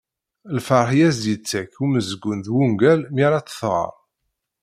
Lferḥ i as-d-yettak umezgun d wungal mi ara t-tɣer.